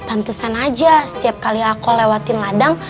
antusan aja setiap kali aku lewatin ladang